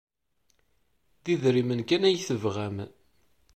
D idrimen kan ay tebɣam.